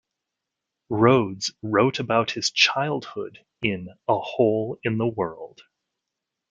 Rhodes wrote about his childhood in "A Hole in the World".